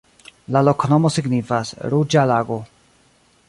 La loknomo signifas: ruĝa lago.